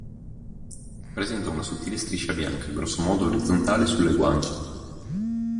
Presenta una sottile striscia bianca, grossomodo orizzontale, sulle guance.